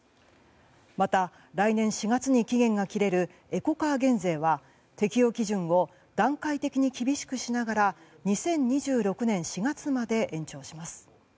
また、来年４月に期限が切れるエコカー減税は適応基準を段階的に厳しくしながら２０２６年４月まで延長します。